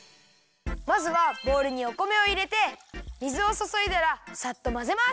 まずはボウルにお米をいれて水をそそいだらさっとまぜます。